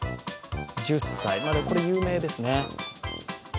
１０歳、これ、有名ですね。